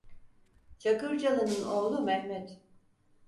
Çakırcalı'nın oğlu Mehmet.